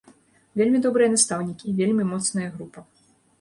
Вельмі добрыя настаўнікі, вельмі моцная група.